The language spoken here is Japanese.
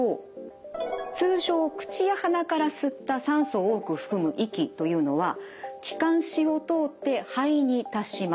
通常口や鼻から吸った酸素を多く含む息というのは気管支を通って肺に達します。